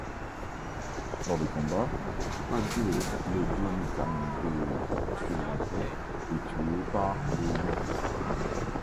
Lors des combats, Bazhuo, le Duomi Khan, des Xueyantuo, est tué par les Ouïghours.